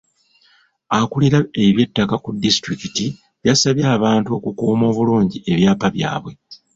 Akuulira eby'ettaka ku disitulikiti yasabye abantu okukuuma obulungi ebyapa byabwe.